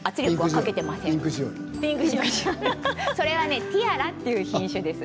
それはティアラという品種です。